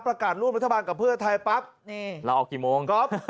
ประกาศร่วมรัฐบาลกับเพื่อไทยปั๊บเราออกกี่โมงก๊อฟ